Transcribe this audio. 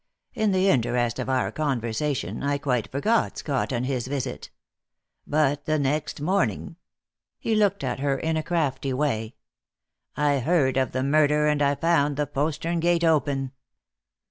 In the interest of our conversation, I quite forgot Scott and his visit. But the next morning" he looked at her in a crafty way "I heard of the murder, and I found the postern gate open."